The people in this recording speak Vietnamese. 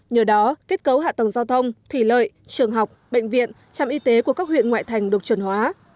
nhờ đó kết cấu hạ tầng giao thông thủy lợi trường học bệnh viện trạm y tế của các huyện ngoại thành được chuẩn hóa